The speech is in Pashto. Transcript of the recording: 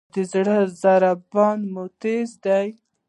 ایا د زړه ضربان مو تېز دی؟